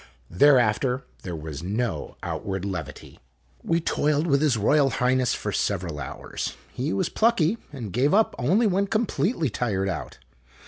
Thereafter there was no outward levity. We toiled with His Royal Highness for several hours. He was plucky, and gave up only when completely tired out.